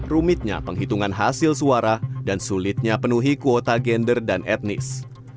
rumitnya penghitungan hasil suara dan sulitnya penuhi kuota gender dan etnis